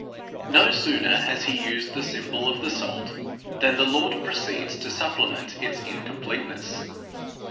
No sooner has he used the symbol of the salt, than the Lord proceeds to supplement its incompleteness.